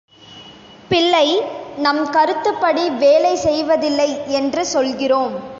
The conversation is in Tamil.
பிள்ளை நம் கருத்துப்படி வேலை செய்வதில்லை என்று சொல்கிறோம்.